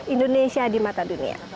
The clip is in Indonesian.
indonesia di mata dunia